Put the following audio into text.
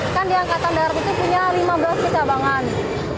kan di angkatan darat itu punya lima belas kecabangan